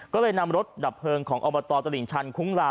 ก็เลยนำรถดับเพลิงของอบตตลิ่งชันคุ้งลาว